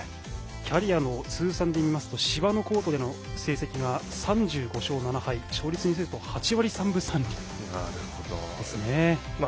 キャリアの通算で見ますと芝のコートでの成績が３５勝７敗勝率にすると８割３分３厘ですね。